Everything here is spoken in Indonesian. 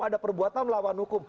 ada perbuatan melawan hukum